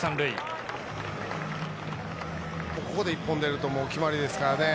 ここで１本出ると決まりですからね。